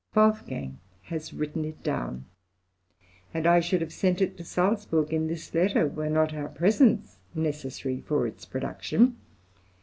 Wolfgang has written it down, and I should have sent it to Salzburg in this letter, were not our presence necessary for its production.